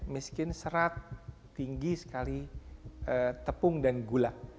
miskin serat tinggi sekali tepung dan gula